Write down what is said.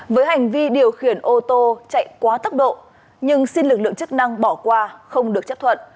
với hành vi điều khiển ô tô chạy quá tốc độ nhưng xin lực lượng chức năng bỏ qua không được chấp thuận